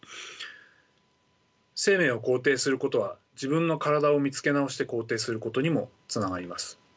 生命を肯定することは自分の体を見つけ直して肯定することにもつながります。